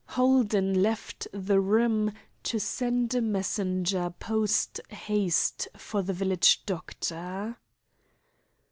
Holden left the room to send a messenger post haste for the village doctor.